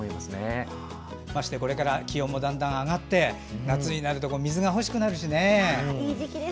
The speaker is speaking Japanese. まして、これから気温もだんだん上がって夏になると水が欲しくなるしね。